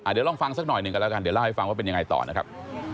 เดี๋ยวลองฟังสักหน่อยหนึ่งกันแล้วกันเดี๋ยวเล่าให้ฟังว่าเป็นยังไงต่อนะครับ